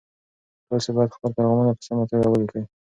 تاسي باید خپل پیغامونه په سمه توګه ولیکئ.